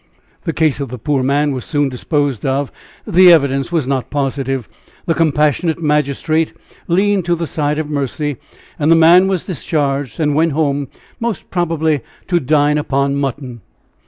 The case of the poor man was soon disposed of the evidence was not positive the compassionate magistrate leaned to the side of mercy, and the man was discharged, and went home most probably to dine upon mutton.